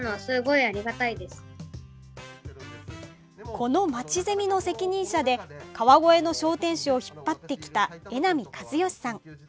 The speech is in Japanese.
このまちゼミの責任者で川越の商店主を引っ張ってきた榎並和良さん。